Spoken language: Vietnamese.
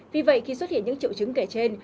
vì vậy khi xuất hiện những triệu chứng kể trên